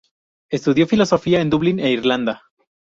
Estudio Filosofía en Dublín e Irlanda.